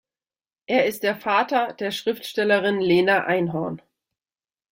Er ist der Vater der Schriftstellerin Lena Einhorn.